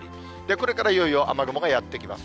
これからいよいよ雨雲がやって来ます。